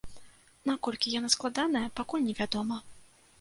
Наколькі яна складаная, пакуль невядома.